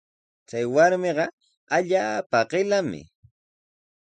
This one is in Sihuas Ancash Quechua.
Chay warmiqa allaapa qillami.